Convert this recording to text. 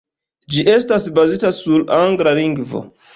Ĝi estas bazita sur angla lingvo.